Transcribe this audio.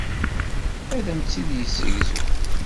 Ad am-tt-id-yessegzu.